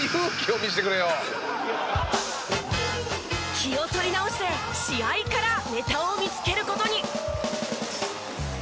気を取り直して試合からネタを見つける事に。